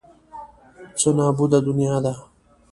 څه نابوده دنیا ده.